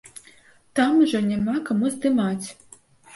Там ужо няма каму здымаць!